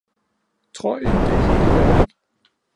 Tror i, det er hele verden